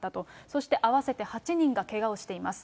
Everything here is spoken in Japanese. そして合わせて８人がけがをしています。